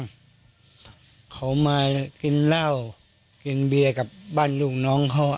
เธอมากินเหล้ากลึ่งเบียกับบ้านลูกน้องเขาขอ